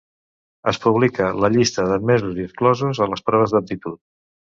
Es publica la llista d'admesos i exclosos a les proves d'aptitud.